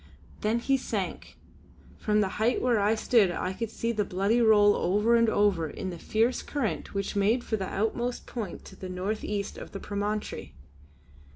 Then he sank; from the height where I stood I could see the body roll over and over in the fierce current which made for the outmost point to the north east of the promontory.